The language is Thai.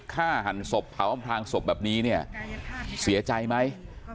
ฆ่าหันศพเผาอำพลางศพแบบนี้เนี่ยเสียใจไหม